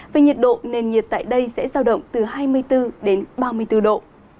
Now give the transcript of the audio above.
về nhiệt độ nền nhiệt tại đây sẽ giao động từ hai mươi bốn đến ba mươi bốn độ